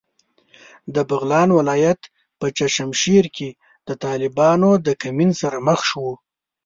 د بغلان ولایت په چشمشېر کې د طالبانو د کمین سره مخ شوو.